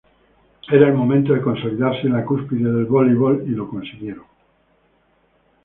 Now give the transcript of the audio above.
Era el momento de consolidarse en la cúspide del voleibol y lo consiguieron.